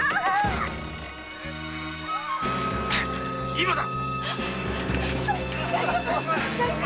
今だ！